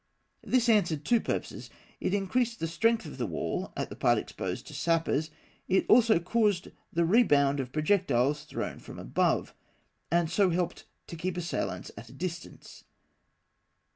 This answered two purposes. It increased the strength of the wall at the part exposed to sappers; it also caused the rebound of projectiles thrown from above, and so helped to keep assailants at a distance.